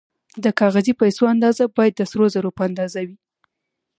د کاغذي پیسو اندازه باید د سرو زرو په اندازه وي